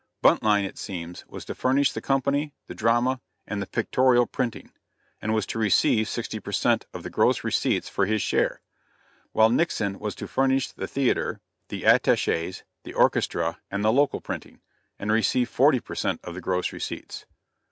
Buntline, it seems, was to furnish the company, the drama, and the pictorial printing, and was to receive sixty per cent. of the gross receipts for his share; while Nixon was to furnish the theater, the attachés, the orchestra, and the local printing; and receive forty per cent. of the gross receipts.